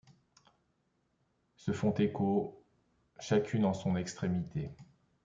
Se font écho, chacune en son extrémité